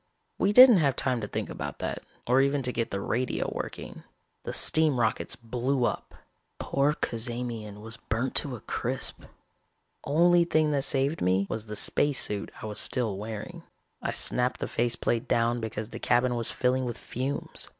"We didn't have time to think about that, or even to get the radio working. The steam rockets blew up. Poor Cazamian was burnt to a crisp. Only thing that saved me was the spacesuit I was still wearing. I snapped the face plate down because the cabin was filling with fumes.